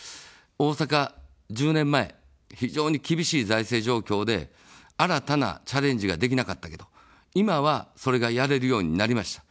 大阪１０年前、非常に厳しい財政状況で、新たなチャレンジができなかったけど、今は、それがやれるようになりました。